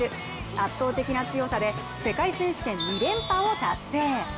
圧倒的な強さで、世界選手権２連覇を達成。